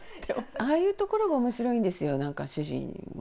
ああいうところがおもしろいんですよ、なんか主人は。